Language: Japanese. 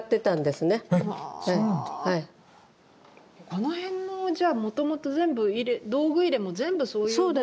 この辺のじゃもともと全部道具入れも全部そういうものなんですね。